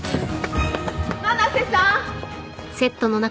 七瀬さん！